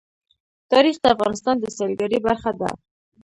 تاریخ د افغانستان د سیلګرۍ برخه ده.